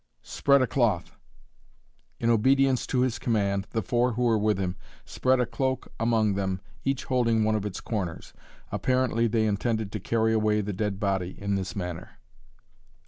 "Spread a cloth!" In obedience to his command, the four who were with him spread a cloak among them, each holding one of its corners. Apparently they intended to carry away the dead body in this manner.